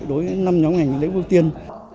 đối với năm nhóm ngành lấy vương tiên